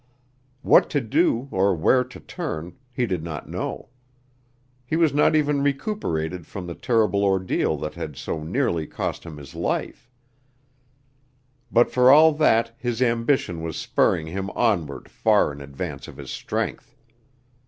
What to do, or where to turn, he did not know. He was not even recuperated from the terrible ordeal that had so nearly cost him his life; but for all that his ambition was spurring him onward far in advance of his strength.